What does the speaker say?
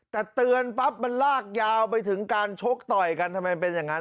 แต่เตือนปั๊บมันลากยาวไปถึงการชกต่อยกันทำไมเป็นอย่างนั้น